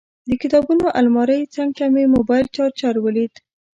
د کتابونو المارۍ څنګ ته مې موبایل چارجر ولید.